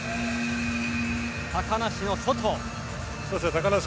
高梨の外。